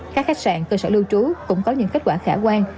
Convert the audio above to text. các khách sạn cơ sở lưu trú cũng có những kết quả khả quan